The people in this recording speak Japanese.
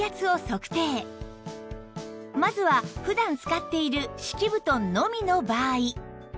まずは普段使っている敷布団のみの場合